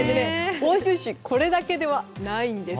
奥州市これだけではないんです。